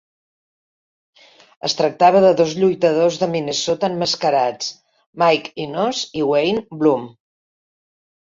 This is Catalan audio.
Es tractava de dos lluitadors de Minnesota emmascarats, Mike Enos i Wayne Bloom.